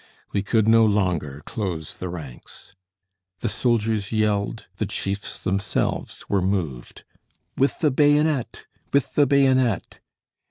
We could no longer close the ranks. The soldiers yelled, the chiefs themselves were moved. "With the bayonet, with the bayonet!"